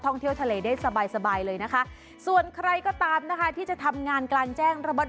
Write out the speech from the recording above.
เที่ยวทะเลได้สบายสบายเลยนะคะส่วนใครก็ตามนะคะที่จะทำงานกลางแจ้งระบัด